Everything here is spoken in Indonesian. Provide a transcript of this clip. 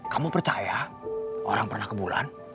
kamu percaya orang pernah ke bulan